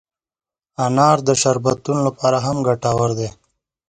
انار د شربتونو لپاره هم ګټور دی.